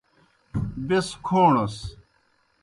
بیْس کھوݨَس۔